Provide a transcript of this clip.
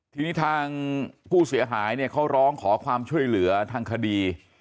ทีนี้ทางผู้เสียหายเนี่ยเขาร้องขอความช่วยเหลือทางคดี